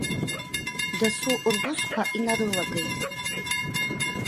Дасу русқәа инарылагеит.